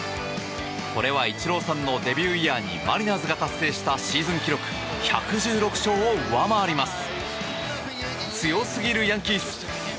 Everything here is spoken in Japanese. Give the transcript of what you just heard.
これはイチローさんのデビューイヤーにマリナーズが達成したシーズン記録１１６勝を上回ります。